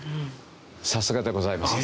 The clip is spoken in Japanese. さすがでございます。